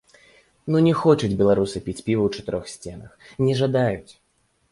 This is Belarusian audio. Ну не хочуць беларусы піць піва ў чатырох сценах, не жадаюць!